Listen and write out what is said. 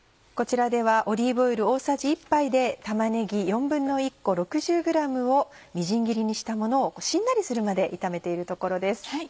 こちらではオリーブオイル大さじ１杯で玉ねぎ１／４個６０ｇをみじん切りにしたものをしんなりするまで炒めているところです。